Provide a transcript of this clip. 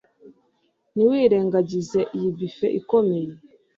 Ntiwirengagize iyi buffet ikomeye